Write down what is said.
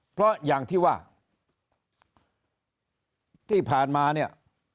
เพราะอย่างที่ว่าที่ผ่านมาเนี่ย